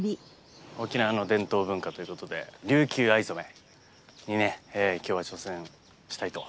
沖縄の伝統文化ということで琉球藍染にね今日は挑戦したいと。